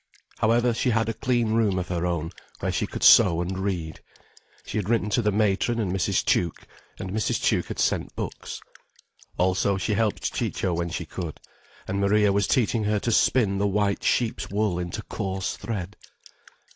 However, she had a clean room of her own, where she could sew and read. She had written to the matron and Mrs. Tuke, and Mrs. Tuke had sent books. Also she helped Ciccio when she could, and Maria was teaching her to spin the white sheep's wool into coarse thread.